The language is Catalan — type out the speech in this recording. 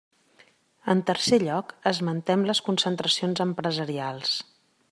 En tercer lloc, esmentem les concentracions empresarials.